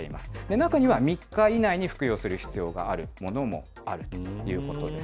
中には３日以内に服用する必要があるものもあるということです。